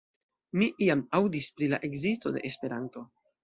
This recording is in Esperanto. Mi iam aŭdis pri la ekzisto de Esperanto.